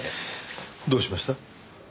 どうしました？